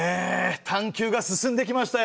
探究が進んできましたよ。